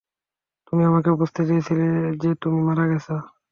তুমি আমাকে বুঝাতে চেয়েছিলে যে তুমি মারা গেছো।